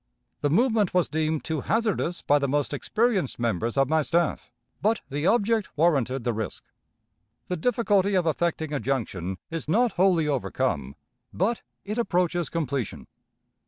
The movement was deemed too hazardous by the most experienced members of my staff; but the object warranted the risk. The difficulty of effecting a junction is not wholly overcome, but it approaches completion.